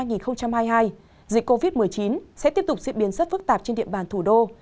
dịch covid một mươi chín sẽ tiếp tục diễn biến rất phức tạp trên địa bàn thủ đô